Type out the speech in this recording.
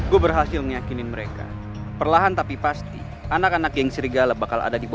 gue berhasil meyakini mereka perlahan tapi pasti anak anak yang serigala bakal ada di bawah